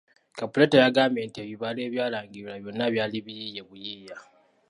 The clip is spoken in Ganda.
Kabuleta yagambye nti ebibalo ebyalangirirwa byonna byali biyiiye buyiiya.